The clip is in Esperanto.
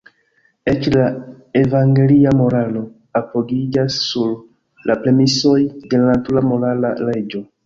Eĉ la evangelia moralo apogiĝas sur la premisoj de la natura morala leĝo.